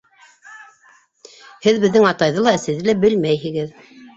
— Һеҙ беҙҙең атайҙы ла, әсәйҙе лә белмәйһегеҙ.